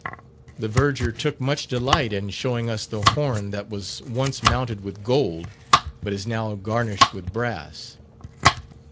The verger took much delight in showing us the Horn that was once mounted with gold, but is now garnished with brass.